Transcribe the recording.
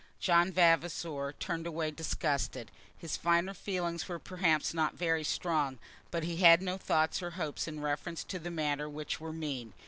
John Vavasor turned away disgusted. His finer feelings were perhaps not very strong, but he had no thoughts or hopes in reference to the matter which were mean.